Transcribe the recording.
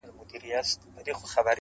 دا هم ستا له ترجمان نظره غواړم,